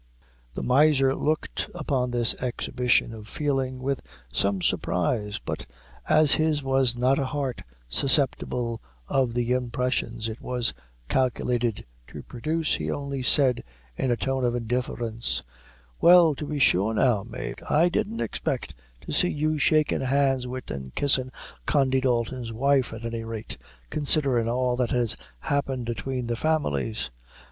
The miser looked upon this exhibition of feeling with some surprise; but as his was not a heart susceptible of the impressions it was calculated to produce, he only said in a tone of indifference: "Well, to be sure now, Mave, I didn't expect to see you shakin' hands wid and kissin' Condy Dalton's wife, at any rate, considerin' all that has happened atween the families.